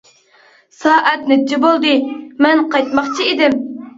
سائەت نەچچە بولدى؟ مەن قايتماقچى ئىدىم.